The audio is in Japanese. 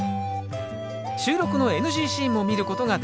収録のＮＧシーンも見ることができますよ。